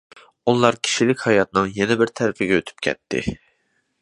ئۇلار كىشىلىك ھاياتنىڭ يەنە بىر تەرىپىگە ئۆتۈپ كەتتى.